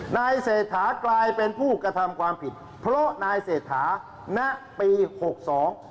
นายเศรษฐากลายเป็นผู้กระทำความผิดเพราะนายเศรษฐาณปีหกสอง